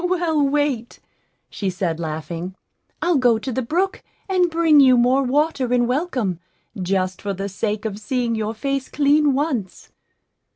"Well, wait," she said, laughing; "I'll go to the brook and bring you more water in welcome, just for the sake of seeing your face clean once."